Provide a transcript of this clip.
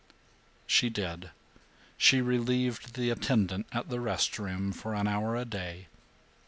She did. She relieved the attendant at the rest room for an hour a day.